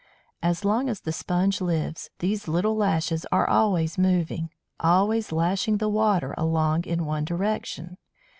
As long as the Sponge lives, these little lashes are always moving, always lashing the water along in one direction.